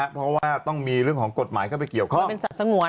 เพราะว่าต้องมีเรื่องของกฎหมายเข้าไปเกี่ยวข้อง